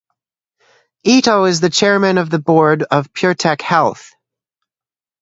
Ito is the chairman of the board of PureTech Health.